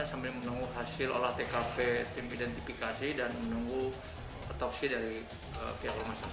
sambil menunggu hasil olah tkp tim identifikasi dan menunggu otopsi dari pihak rumah sakit